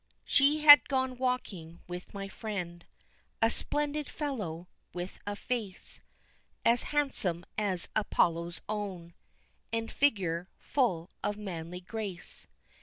She had gone walking with my friend, A splendid fellow, with a face As handsome as Apollo's own, And figure full of manly grace.